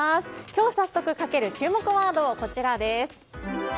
今日、早速かける注目ワードはこちら。